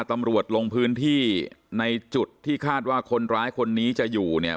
ตำรวจลงพื้นที่ในจุดที่คาดว่าคนร้ายคนนี้จะอยู่เนี่ย